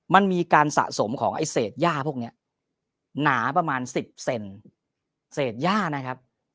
มันมีการสะสมของไอ้เศษย่าพวกนี้หนาประมาณ๑๐เซนเศษย่านะครับ